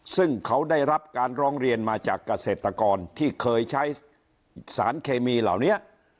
ซึ่งเขาได้รับการร้องเรียนมาจากเกษตรกรที่เคยใช้สารเคมีเหล่านี้